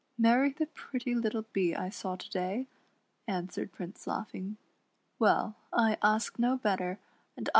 " Marry the pretty little Bee I saw to day," answered Prince, laughing; "well, I ask no better, and I